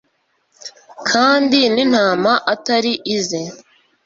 kandi n intama atari ize